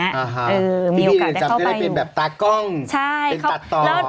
พี่ในเรือนจำนี่ได้เป็นแบบตากล้องเป็นตัดต่อ